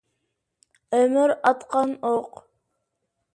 ئۆمۈر ئاتقان ئوق.